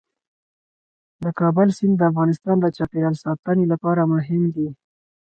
د کابل سیند د افغانستان د چاپیریال ساتنې لپاره مهم دي.